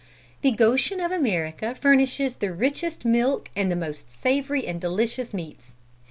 The Goshen of America furnishes the richest milk and the most savory and delicious meats.